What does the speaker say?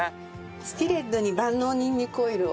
スキレットに万能にんにくオイルを。